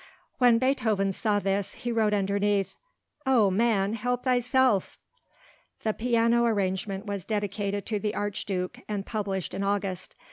When Beethoven saw this he wrote underneath, "Oh man, help thyself!" The piano arrangement was dedicated to the Archduke and published in August.